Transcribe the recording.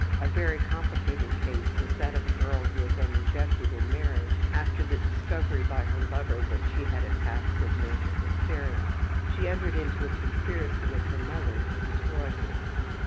A very complicated case was that of a girl who had been rejected in marriage after the discovery by her lover that she had attacks of major hysteria. She entered into a conspiracy with her mother to destroy him.